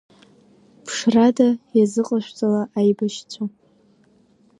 Ԥшрада иазыҟашәҵала аибашьцәа.